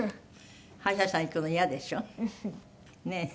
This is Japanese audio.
歯医者さん行くのイヤでしょ？ねえ。